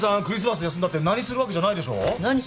クリスマス休んだって何するわけじゃないでしょ？